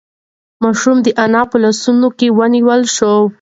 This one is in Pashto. ماشوم د انا په لاسونو کې ونیول شو.